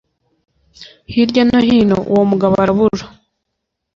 hirya no hino uwo mugabo arabura